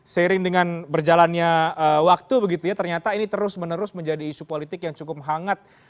seiring dengan berjalannya waktu begitu ya ternyata ini terus menerus menjadi isu politik yang cukup hangat